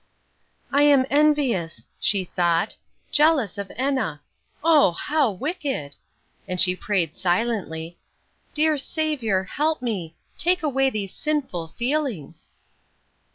"I am envious," she thought, "jealous of Enna. Oh! how wicked!" And she prayed silently, "Dear Saviour, help me! take away these sinful feelings."